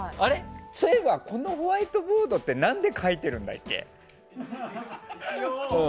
そういえばこのホワイトボードって何で書いてるんだっけ？